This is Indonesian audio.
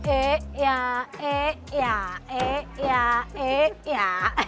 eh ya eh ya eh ya eh ya eh ya